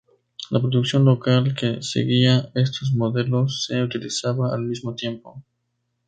La producción local, que seguía estos modelos, se utilizaba al mismo tiempo.